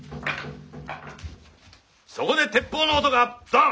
そこで鉄砲の音がズドン！